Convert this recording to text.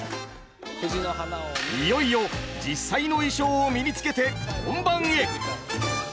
いよいよ実際の衣装を身に着けて本番へ。